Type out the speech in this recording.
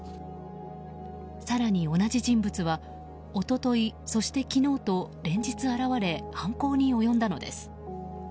更に同じ人物は一昨日、そして昨日と連日現れ、犯行に及んだのです。